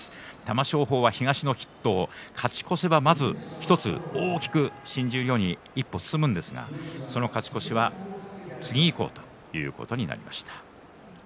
玉正鳳東の筆頭勝ち越せばまず１つ大きく新十両に進むんですがその勝ち越しは次以降ということになりました。